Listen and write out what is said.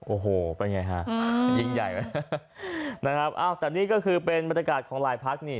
โอ้โหเป็นไงฮะยิ่งใหญ่ไหมนะครับอ้าวแต่นี่ก็คือเป็นบรรยากาศของหลายพักนี่